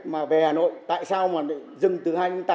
mà về hà nội tại sao mà dừng từ hai nghìn tám